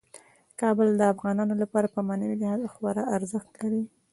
کابل د افغانانو لپاره په معنوي لحاظ خورا ارزښت لري.